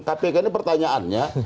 kpk ini pertanyaannya